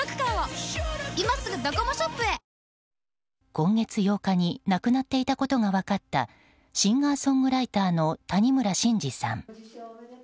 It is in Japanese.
今月８日に亡くなっていたことが分かったシンガーソングライターの谷村新司さん。